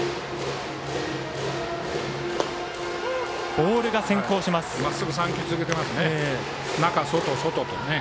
ボールが先行します。